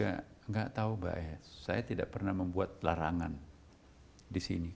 saya juga gak tahu saya tidak pernah membuat larangan di sini